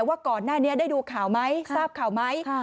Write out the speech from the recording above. ว่าก่อนหน้านี้ได้ดูข่าวไหมทราบข่าวไหม